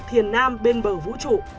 thiền nam bên bờ vũ trụ